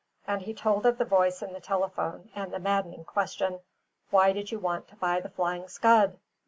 And he told of the voice in the telephone, and the maddening question: "Why did you want to buy the Flying Scud?"